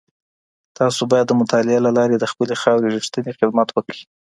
تاسو بايد د مطالعې له لاري د خپلي خاوري رښتينی خدمت وکړئ.